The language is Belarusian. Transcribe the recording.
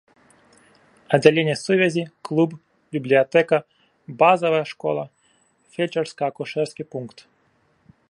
Аддзяленне сувязі, клуб, бібліятэка, базавая школа, фельчарска-акушэрскі пункт.